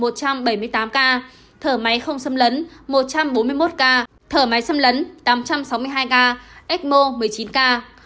thở máy không xâm lấn một trăm bốn mươi một ca thở máy xâm lấn tám trăm sáu mươi hai ca ecmo một mươi chín ca